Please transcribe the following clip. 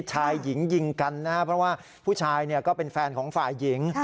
ชายหญิงยิงกันนะครับเพราะว่าผู้ชายก็เป็นแฟนของฝ่ายหญิง